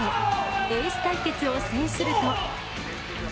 エース対決を制すると。